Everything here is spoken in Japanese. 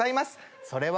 それは。